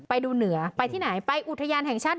เหนือไปที่ไหนไปอุทยานแห่งชาติ